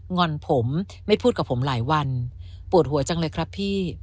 งอนผมไม่พูดกับผมหลายวันปวดหัวจังเลยครับพี่